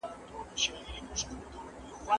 هغه وويل چي امادګي مهم دی!.